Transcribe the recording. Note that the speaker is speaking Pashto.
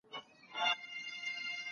کرامت د هر انسان پیدایښتي حق دی.